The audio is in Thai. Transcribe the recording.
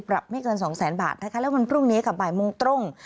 ปรับไม่เกินสองแสนบาทนะคะแล้วมันพรุ่งนี้กลับไปมงตรง